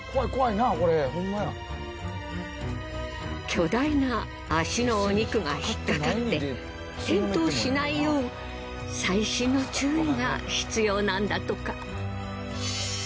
巨大な足のお肉が引っかかって転倒しないよう細心の注意が必要なんだとか。